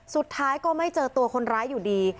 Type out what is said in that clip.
สุดท้ายก็ไม่เจอตัวคนร้ายอยู่ดี